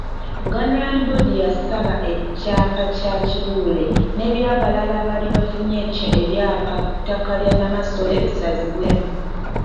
Buganda Land Board yasaba ekyapa kya Kibuule n’ebyabalala abaali bafunye ebyapa ku ttaka ly’obwannamasole bisazibwemu.